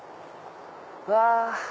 うわ！